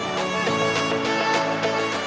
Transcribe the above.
ikan utuh dan berharga